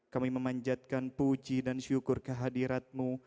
kami memanjatkan puji dan syukur kehadiratmu